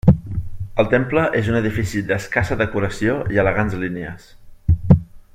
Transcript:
El temple és un edifici d'escassa decoració i elegants línies.